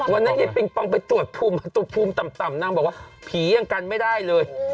วันนี้ก็ไปตรวจภูมิต่ำนางบอกว่าผีอย่างกันไม่ได้เลย